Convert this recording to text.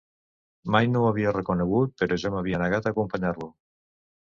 Mai no ho havia reconegut que jo m'havia negat a acompanyar-lo.